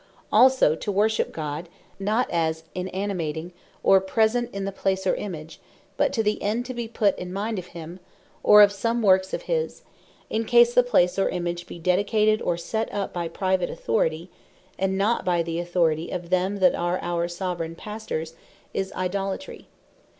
Also to worship God, not as inanimating, or present in the place, or Image; but to the end to be put in mind of him, or of some works of his, in case the Place, or Image be dedicated, or set up by private authority, and not by the authority of them that are our Soveraign Pastors, is Idolatry.